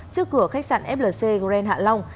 trước cửa khách sạn flc grand hạ long